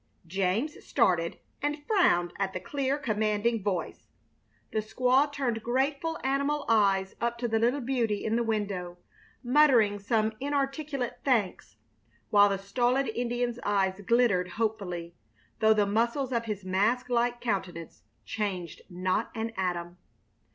James started and frowned at the clear, commanding voice. The squaw turned grateful animal eyes up to the little beauty in the window, muttering some inarticulate thanks, while the stolid Indian's eyes glittered hopefully, though the muscles of his mask like countenance changed not an atom.